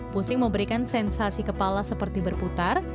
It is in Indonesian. pusing memberikan sensasi kepala seperti berputar